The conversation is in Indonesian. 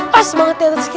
pas banget ya tetsuki